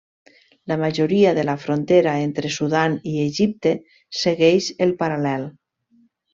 La majoria de la frontera entre Sudan i Egipte segueix el paral·lel.